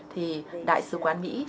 thì đại sứ quán mỹ